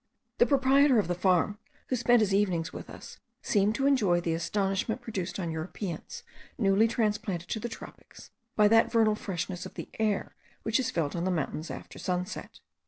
The proprietor of the farm, who spent his evenings with us, seemed to enjoy the astonishment produced on Europeans newly transplanted to the tropics, by that vernal freshness of the air which is felt on the mountains after sunset.